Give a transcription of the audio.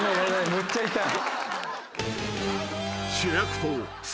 むっちゃ痛い。